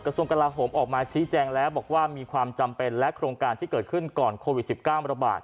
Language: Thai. กระทรวงกราหมออกมาชี้แจงแล้วบอกว่ามีความจำเป็นและโครงการที่เกิดขึ้นก่อนโควิดสิบเก้ามาตรบาท